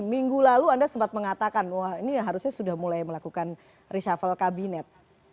minggu lalu anda sempat mengatakan wah ini harusnya sudah mulai melakukan reshuffle kabinet